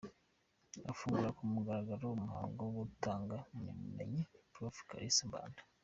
Afungura ku mugaragaro umuhango wo gutanga impampabumenyi, Prof.Kalisa Mbanda